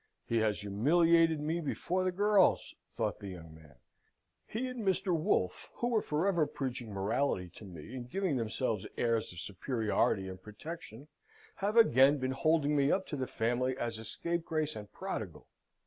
"He has humiliated me before the girls!" thought the young man. "He and Mr. Wolfe, who were forever preaching morality to me, and giving themselves airs of superiority and protection, have again been holding me up to the family as a scapegrace and prodigal.